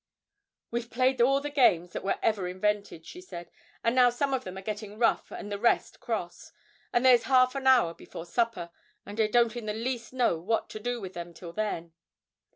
'We've played all the games that were ever invented,' she said; 'and now some of them are getting rough and the rest cross, and there's half an hour before supper, and I don't in the least know what to do with them till then.'